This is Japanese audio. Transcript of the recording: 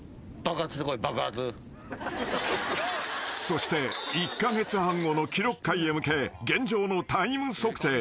［そして１カ月半後の記録会へ向け現状のタイム測定］